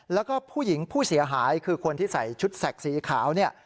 แล้วก็ผู้หญิงผู้เสียหายคือคนที่ใส่ชุดแสกสีขาวเนี่ย